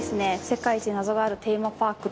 世界一謎があるテーマパーク